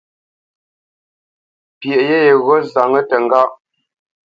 Pyeʼ yé yegho nzáŋə təŋgáʼ.